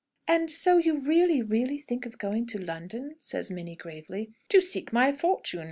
"And so you really, really think of going to London?" says Minnie gravely. "To seek my fortune!"